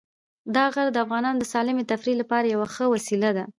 دا غر د افغانانو د سالمې تفریح لپاره یوه ښه وسیله ده.